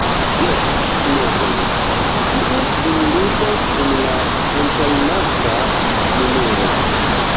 Jes, knabon, kiu kunludas en la antaŭlasta numero.